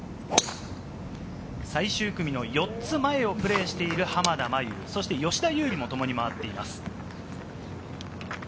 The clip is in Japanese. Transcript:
最終組の４つ前をプレーしている濱田茉優、そして吉田優利も共に回っています。